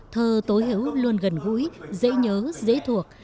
thơ tố hữu luôn gần gũi dễ nhớ dễ thuộc